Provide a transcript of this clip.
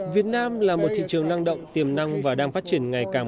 việt nam là một thị trường năng động tiềm năng và đang phát triển ngày càng